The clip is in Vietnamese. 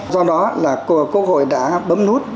do đó là quốc hội đã bấm nút